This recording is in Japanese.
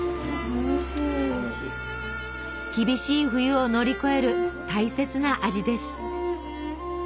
厳しい冬を乗り越える大切な味です。